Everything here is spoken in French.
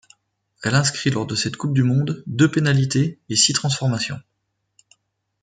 Elle inscrit lors de cette coupe du monde, deux pénalités et six transformations.